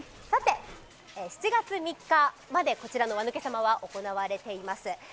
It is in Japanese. ７月３日までこちらの輪抜け様は行われております。